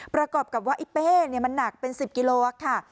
ประกอบกับว่าไอ้เป้มันหนักเป็น๑๐กิโลค่ะ